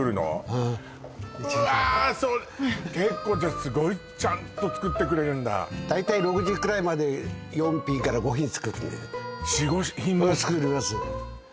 うんうわーそれ結構じゃあすごいちゃんと作ってくれるんだ大体６時くらいまで４５品作るね４５品は作ります